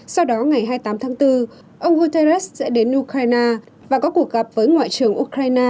sau đó ngày hai mươi tám tháng bốn ông guterres sẽ đến ukraine và có cuộc gặp với ngoại trưởng ukraine